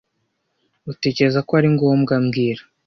Utekereza ko ari ngombwa mbwira